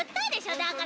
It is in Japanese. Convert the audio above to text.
だから。